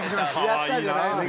「やったー！」じゃないのよ。